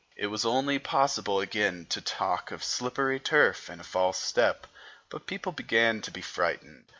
It was only possible again to talk of slippery turf and a false step; but people began to be frightened.